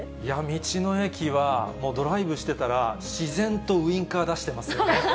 道の駅は、ドライブしてたら、自然とウインカー出してますよね。